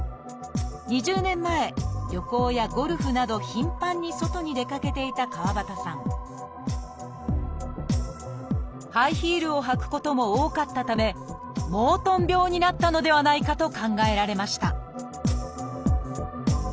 ２０年前旅行やゴルフなど頻繁に外に出かけていたかわばたさんハイヒールを履くことも多かったためモートン病になったのではないかと考えられました